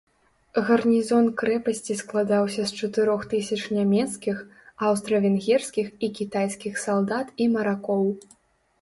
Гарнізон крэпасці складаўся з чатырох тысяч нямецкіх, аўстра-венгерскіх і кітайскіх салдат і маракоў.